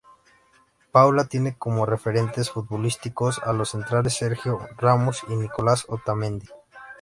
Paula tiene como referentes futbolísticos a los centrales Sergio Ramos y Nicolás Otamendi.